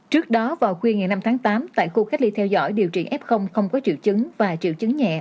trước đó vào khuya ngày năm tháng tám tại khu cách ly theo dõi điều trị f không có triệu chứng và triệu chứng nhẹ